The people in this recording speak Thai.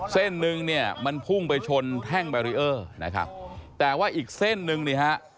เส้นหนึ่งเนี่ยมันพุ่งไปชนแท่งแบรีเออร์นะครับแต่ว่าอีกเส้นหนึ่งนี่ฮะ